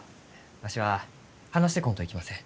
わしは話してこんといきません。